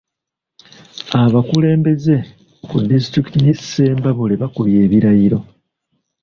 Abakulembeze ku disitulikiti y’e Ssembabule bakubye ebirayiro.